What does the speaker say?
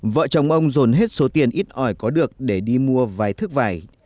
vợ chồng ông dồn hết số tiền ít ỏi có được để đi mua vài thức vải